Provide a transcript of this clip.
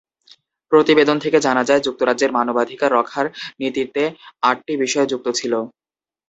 প্রতিবেদন থেকে জানা যায়, যুক্তরাজ্যের মানবাধিকার রক্ষার নীতিতে আটটি বিষয় যুক্ত ছিল।